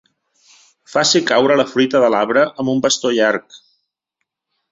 Faci caure la fruita de l'arbre amb un bastó llarg.